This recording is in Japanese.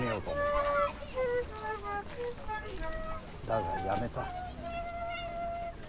だがやめた。